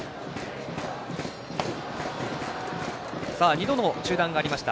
２度の中断がありました。